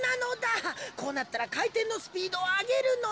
こうなったらかいてんのスピードをあげるのだ。